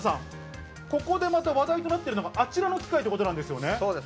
ここでまた話題となっているのがあちらの機械っていうことですね。